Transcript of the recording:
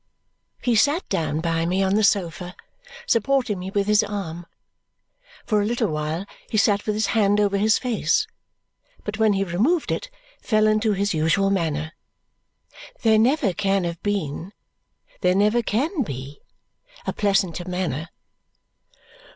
He sat down by me on the sofa, supporting me with his arm. For a little while he sat with his hand over his face, but when he removed it, fell into his usual manner. There never can have been, there never can be, a pleasanter manner.